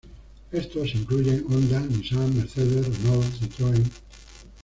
Estos incluyen: Honda, Nissan, Mercedes, Renault, Citroën.